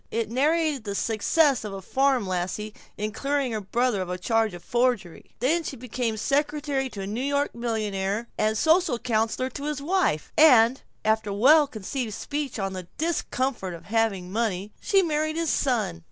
It narrated the success of a farm lassie in clearing her brother of a charge of forgery. She became secretary to a New York millionaire and social counselor to his wife; and after a well conceived speech on the discomfort of having money, she married his son.